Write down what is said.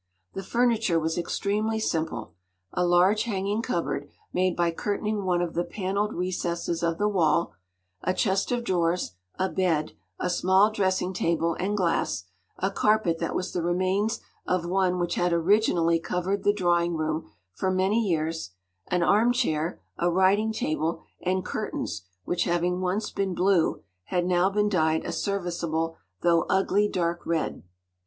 The furniture was extremely simple—a large hanging cupboard made by curtaining one of the panelled recesses of the wall, a chest of drawers, a bed, a small dressing table and glass, a carpet that was the remains of one which had originally covered the drawing room for many years, an armchair, a writing table, and curtains which having once been blue had now been dyed a serviceable though ugly dark red.